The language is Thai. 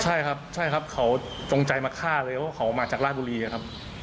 ใช่ครับใช่ครับเขาจงใจมาฆ่าเลยว่าเขามาจากราชบุรีนะครับ